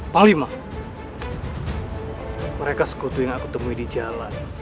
panglima mereka sekutu yang aku temui di jalan